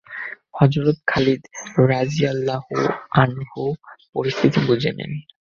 হযরত Khalid রাযিয়াল্লাহু আনহু পরিস্থিতি বুঝে নেন।